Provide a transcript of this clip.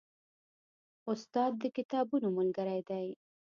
استاد د کتابونو ملګری دی.